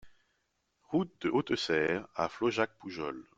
Route de Hautesserre à Flaujac-Poujols